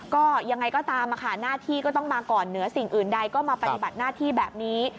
ก็ยังไงก็ตามหน้าที่ก็ต้องมาก่อนเหนือสิ่งอื่นใดก็มาปฏิบัติหน้าที่แบบนี้